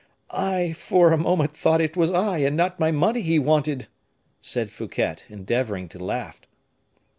"I, for a moment, thought it was I and not my money he wanted," said Fouquet, endeavoring to laugh.